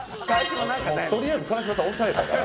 とりあえず川島さん押さえたから。